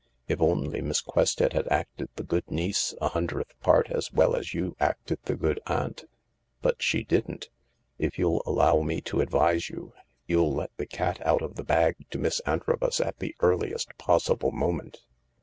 If only Miss Quested had acted the good niece a hundredth part as well as you acted the good aunt ... But she didn't. If you'll allow me to advise you, you'll let the cat out of the bag to Miss Antrobus at the earliest possible moment."